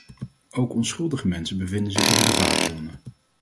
Ook onschuldige mensen bevinden zich in de gevarenzone.